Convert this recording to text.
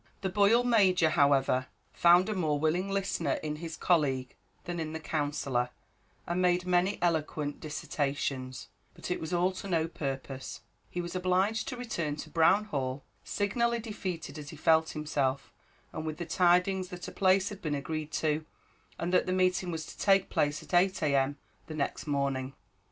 The Boyle Major, however, found a more willing listener in his colleague than in the Counsellor, and made many eloquent dissertations; but it was all to no purpose; he was obliged to return to Brown Hall, signally defeated as he felt himself, and with the tidings that a place had been agreed to, and that the meeting was to take place at eight, A.M., the next morning.